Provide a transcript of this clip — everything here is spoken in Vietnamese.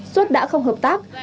xuất đã không hợp tác